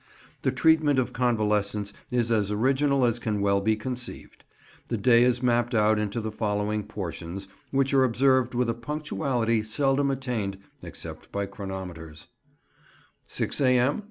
The treatment of convalescents is as original as can well be conceived. The day is mapped out into the following portions, which are observed with a punctuality seldom attained except by chronometers:— 6 A.M.